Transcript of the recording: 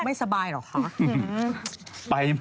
ไม่สบายเหรอคะ